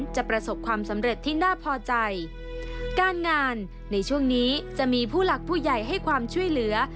ประสบความสำเร็จที่น่าพอใจการงานในช่วงนี้จะมีผู้หลักผู้ใหญ่ให้ความช่วยเหลือ